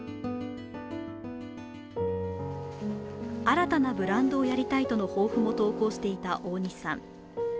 新たなブランドをやりたいとの抱負も投稿していた大西さん。